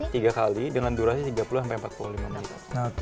tiga kali dengan durasi tiga puluh sampai empat puluh lima menit